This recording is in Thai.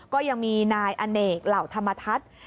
ก็ยังมีนายอเนกเหล่าธรรมทัศน์